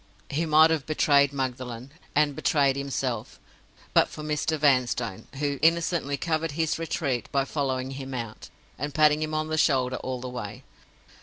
He might have betrayed Magdalen and betrayed himself, but for Mr. Vanstone, who innocently covered his retreat by following him out, and patting him on the shoulder all the way.